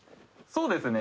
そうですね。